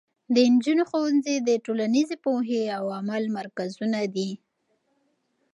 د نجونو ښوونځي د ټولنیزې پوهې او عمل مرکزونه دي.